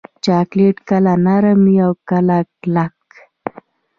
چاکلېټ کله نرم وي، کله کلک.